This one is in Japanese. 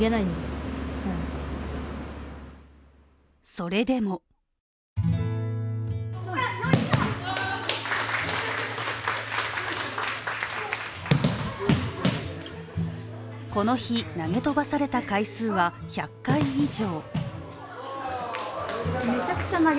それでもこの日、投げ飛ばされた回数は１００回以上。